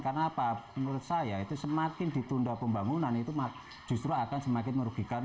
karena menurut saya semakin ditunda pembangunan itu justru akan semakin merugikan